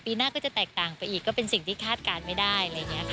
ปีหน้าก็จะแตกต่างไปอีกก็เป็นสิ่งที่คาดการณ์ไม่ได้